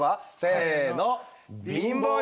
せの。